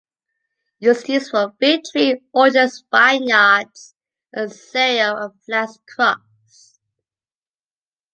It was used for fig tree orchards, vineyards, and cereal and flax crops.